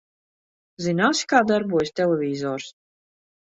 Zināsi, kā darbojas televizors?